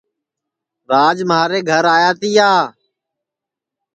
راج مِھارے گھر آیا تیا